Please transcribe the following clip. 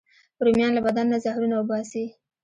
رومیان له بدن نه زهرونه وباسي